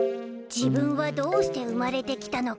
自分はどうして生まれてきたのか。